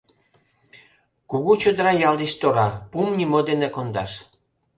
Кугу чодыра ял деч тора, пум нимо дене кондаш.